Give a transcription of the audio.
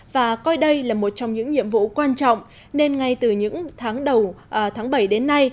và coi đây là một trong những nhiệm vụ quan trọng nên ngay từ những tháng đầu tháng bảy đến nay